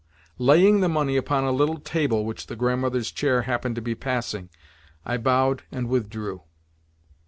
Laying the money upon a little table which the Grandmother's chair happened to be passing, I bowed and withdrew.